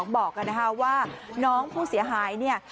บอกว่าน้องผู้เสียหายเนี่ย